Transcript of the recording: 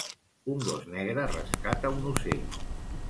Un gos negre rescata un ocell.